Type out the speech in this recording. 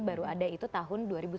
baru ada itu tahun dua ribu sebelas